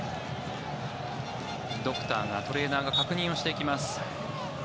ドクター、トレーナーが確認をしていきます。